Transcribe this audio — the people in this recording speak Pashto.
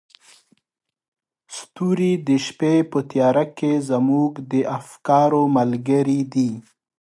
ستوري د شپې په تیاره کې زموږ د افکارو ملګري دي.